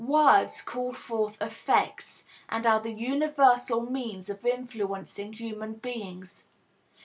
Words call forth effects and are the universal means of influencing human beings.